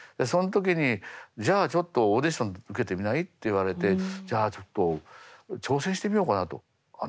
その時にじゃあちょっとオーディション受けてみない？って言われてじゃあちょっと挑戦してみようかなと。